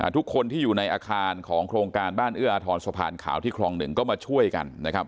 ทุกคนที่อยู่ในอาคารของโครงการบ้านเอื้ออาทรสะพานขาวที่คลอง๑ก็มาช่วยกันนะครับ